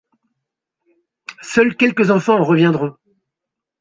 Seuls quelques enfants en reviendront.